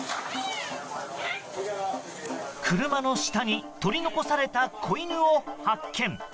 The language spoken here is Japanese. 車の下に取り残された子犬を発見。